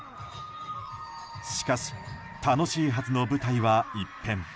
しかし楽しいはずの舞台は一変。